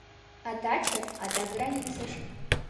А таче — адак границыш.